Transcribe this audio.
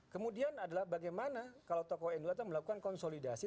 kemudian adalah bagaimana kalau tokoh nu itu melakukan konsolidasi